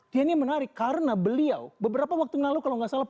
dia ini menarik karena beliau beberapa waktu lalu kalau nggak salah